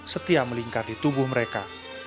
setia melingkar di tubuh mereka